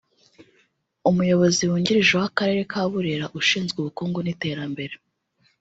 Umuyobozi wungirije w’akarere ka Burera ushinzwe ubukungu n’iterambere